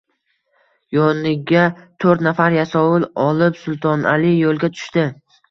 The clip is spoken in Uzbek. Yoniga toʻrt nafar yasovul olib, Sultonali yoʻlga tushdi